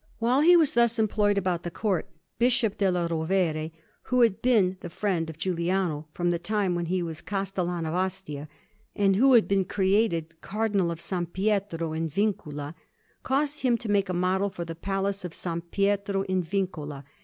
While he was thus employed about the Court, Bishop della Rovere, who had been the friend of Giuliano from the time when he was Castellan of Ostia, and who had been created Cardinal of S. Pietro in Vincula, caused him to make a model for the Palace of S. Pietro in Vincula.